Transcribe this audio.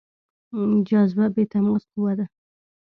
جاذبه بې تماس قوه ده.